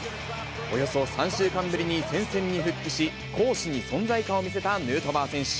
およそ３週間ぶりに戦線に復帰し、攻守に存在感を見せたヌートバー選手。